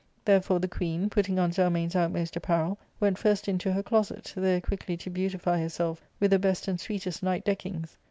Therefore the queen, putting on Zelmane's outmost apparel, went first into her closet, there quickly to beautify herself with the best and sweetest night deckings.